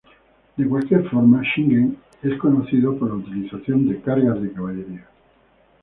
De cualquier forma, Shingen es conocido por la utilización de cargas de caballería.